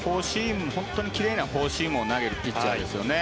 本当に奇麗なフォーシームを投げるピッチャーですよね。